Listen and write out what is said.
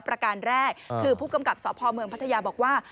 ประการแรกคือผู้กำกับสพเมืองพัทยาบอกว่า